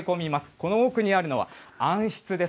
この奥にあるのは暗室です。